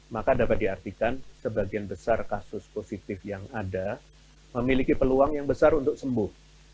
maka dapat diartikan sebagian besar kasus positif yang ada memiliki peluang yang besar untuk sembuh